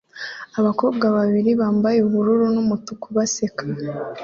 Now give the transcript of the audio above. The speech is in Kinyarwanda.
Abakobwa babiri bambaye ubururu n'umutuku baseka